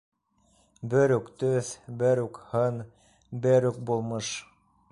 Бер үк төҫ, бер үк һын, бер үк булмыш.